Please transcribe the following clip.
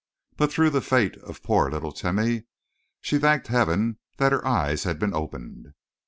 But through the fate of poor little Timeh, she thanked Heaven that her eyes had been opened.